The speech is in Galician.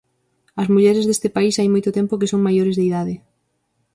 As mulleres deste país hai moito tempo que son maiores de idade.